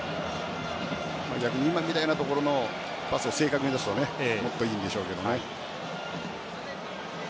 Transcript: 逆に今みたいなところのパスを正確に出すともっといいんでしょうけどね。